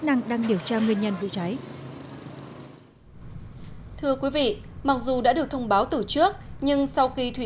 năng đang điều tra nguyên nhân vụ cháy mặc dù đã được thông báo từ trước nhưng sau khi thủy